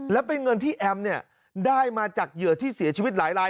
และเป็นเงินที่แอมเนี่ยได้มาจากเหยื่อที่เสียชีวิตหลายราย